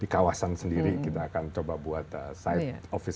di kawasan sendiri kita akan coba buat side office